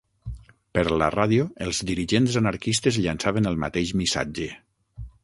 Per la ràdio, els dirigents anarquistes llançaven el mateix missatge